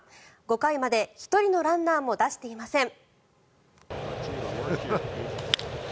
５回まで１人のランナーも出していません。